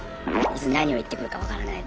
いつ何を言ってくるか分からない。